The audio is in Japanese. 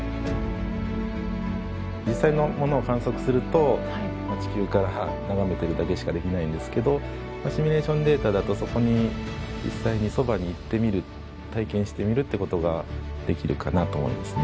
実際のものを観測すると地球から眺めてるだけしかできないんですけどシミュレーションデータだとそこに実際にそばに行ってみる体験してみるってことができるかなと思いますね。